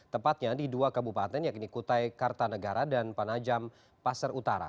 tepatnya di dua kabupaten yakni kutai kartanegara dan panajam pasar utara